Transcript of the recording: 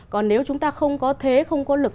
còn nếu chúng ta không có thế không có lực